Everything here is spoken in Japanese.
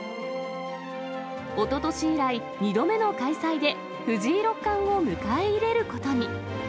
おととし以来、２度目の開催で、藤井六冠を迎え入れることに。